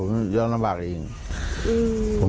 พระเจ้าอาวาสกันหน่อยนะครับ